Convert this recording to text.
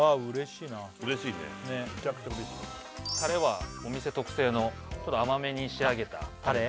タレはお店特製のちょっと甘めに仕上げたタレ？